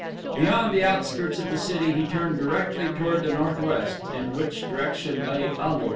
Beyond the outskirts of the city he turned directly toward the northwest, in which direction lay A lur.